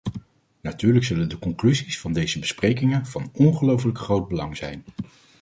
Natuurlijk zullen de conclusies van deze besprekingen van ongelooflijk groot belang zijn.